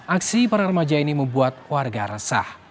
aksi para remaja ini membuat warga resah